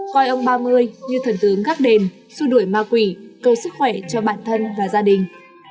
coi ông ba mươi như thần tướng gác đền xua đuổi ma quỷ cầu sức khỏe cho bản thân và gia đình